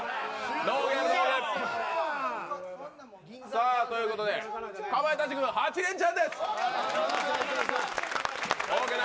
さあ、ということでかまいたち軍８レンチャンです。